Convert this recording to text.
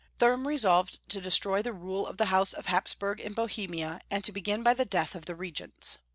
Thurm resolved to destroy the rule of the House of Hapsbmg in Bohemia, and to begin by the death of the regents.